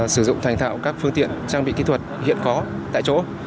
sử dụng thành thạo các phương tiện trang bị kỹ thuật hiện có tại chỗ